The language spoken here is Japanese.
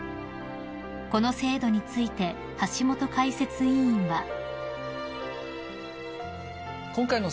［この制度について橋本解説委員は］